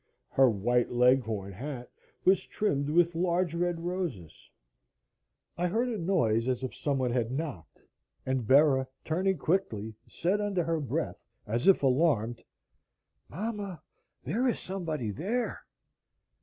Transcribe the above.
Her white Leghorn hat was trimmed with large red roses. I heard a noise, as if someone had knocked and Bera, turning quickly, said under her breath, as if alarmed: "Mama! There is somebody there!"